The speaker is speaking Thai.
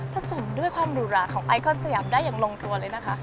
สมด้วยความหรูหราของไอคอนสยามได้อย่างลงตัวเลยนะคะ